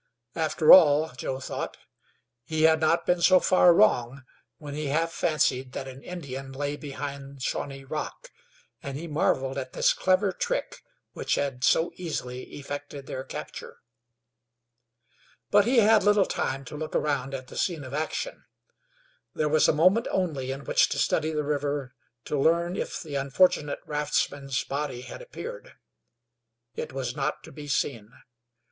After all, Joe thought, he had not been so far wrong when he half fancied that an Indian lay behind Shawnee Rock, and he marveled at this clever trick which had so easily effected their capture. But he had little time to look around at the scene of action. There was a moment only in which to study the river to learn if the unfortunate raftsman's body had appeared. It was not to be seen.